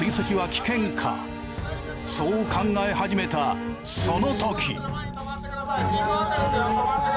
そう考え始めたその時。